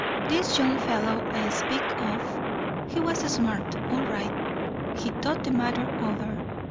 This young fellow I speak of he was smart, all right. He thought the matter over.